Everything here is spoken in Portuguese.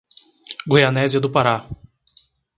Goianésia do Pará